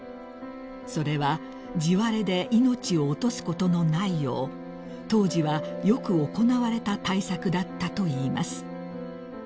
［それは地割れで命を落とすことのないよう当時はよく行われた対策だったといいます］